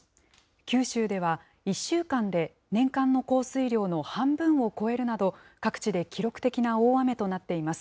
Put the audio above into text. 九州では、１週間で年間の降水量の半分を超えるなど、各地で記録的な大雨となっています。